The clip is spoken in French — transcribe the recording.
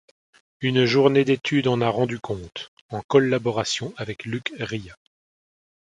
Une journée d'étude en a rendu compte, en collaboration avec Luc Ria.